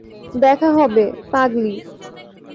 দেখা হবে, পাগলী।